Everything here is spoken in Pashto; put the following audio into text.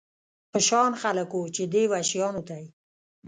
په شان خلک و، چې دې وحشیانو ته یې.